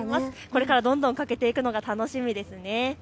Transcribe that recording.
これからどんどん欠けていくのが楽しみですね。